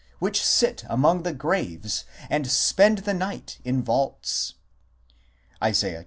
. which sit among the graves, and spend the night in vaults " 1 (Isa.